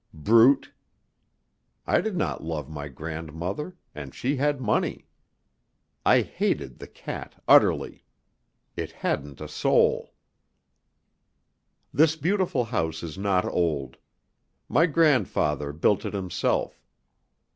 Brute! I did not love my grandmother, and she had money. I hated the cat utterly. It hadn't a sou! This beautiful house is not old. My grandfather built it himself.